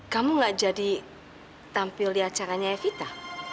kamu nggak jadi tampil di acaranya evita